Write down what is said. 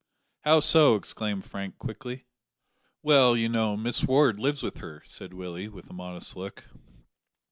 "How so?" exclaimed Frank quickly. "Well, you know, Miss Ward lives with her," said Willie, with a modest look.